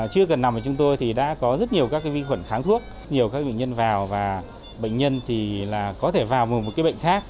chưa cần nằm ở chúng tôi thì đã có rất nhiều các vi khuẩn kháng thuốc nhiều các bệnh nhân vào và bệnh nhân thì có thể vào một bệnh khác